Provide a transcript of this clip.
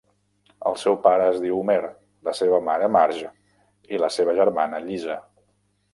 El seu pare es diu Homer, la seva mare Marge i la seva germana Llisa.